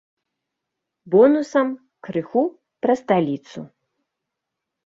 Бонусам крыху пра сталіцу.